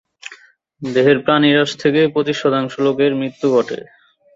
দেহের পানি হ্রাস থেকে পঁচিশ শতাংশ লোকের মৃত্যু ঘটে।